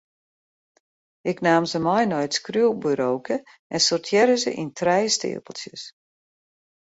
Ik naam se mei nei it skriuwburoke en sortearre se yn trije steapeltsjes.